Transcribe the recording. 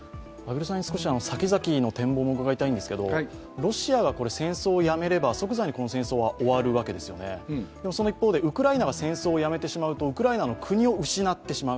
先々の展望も伺いたいんですが、ロシアが戦争をやめれば即座にこの戦争は終わるわけですよね、その一方でウクライナが戦争をやめてしまうとウクライナは国を失ってしまう。